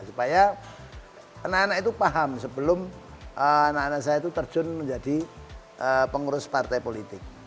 supaya anak anak itu paham sebelum anak anak saya itu terjun menjadi pengurus partai politik